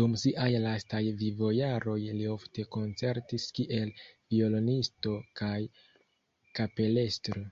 Dum siaj lastaj vivojaroj li ofte koncertis kiel violonisto kaj kapelestro.